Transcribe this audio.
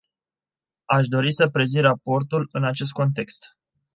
Aș dori să prezint raportul în acest context.